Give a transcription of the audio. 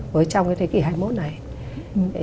với trong cái thế kỷ hai mươi một này